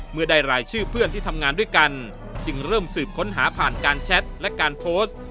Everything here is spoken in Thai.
เมื่อได้รายชื่อเพื่อนที่ทำงานด้วยกันจึงเริ่มสืบค้นหาผ่านการแชทและการโพสต์